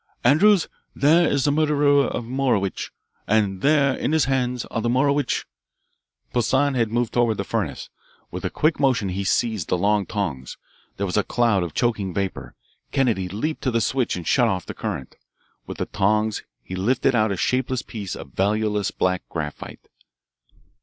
Andrews, there is the murderer of Morowitch, and there in his hands are the Morowitch " Poissan had moved toward the furnace. With a quick motion he seized the long tongs. There was a cloud of choking vapour. Kennedy leaped to the switch and shut off the current. With the tongs he lifted out a shapeless piece of valueless black graphite.